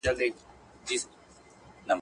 د مینې او محبت فصل پیل کړئ.